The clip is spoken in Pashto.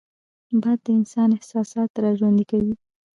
باد د انسان احساسات راژوندي کوي